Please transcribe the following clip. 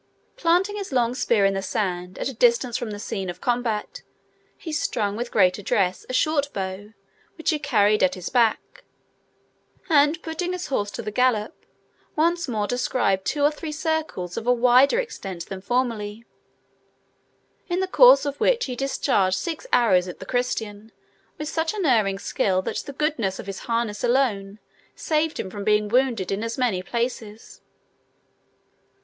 Planting his long spear in the sand at a distance from the scene of combat, he strung, with great address, a short bow, which he carried at his back; and putting his horse to the gallop, once more described two or three circles of a wider extent than formerly, in the course of which he discharged six arrows at the Christian with such unerring skill that the goodness of his harness alone saved him from being wounded in as many places.